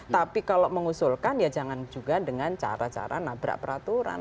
tapi kalau mengusulkan ya jangan juga dengan cara cara nabrak peraturan